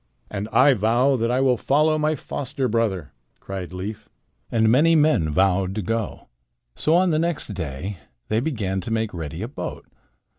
"And I vow that I will follow my foster brother," cried Leif. And many men vowed to go. So on the next day they began to make ready a boat.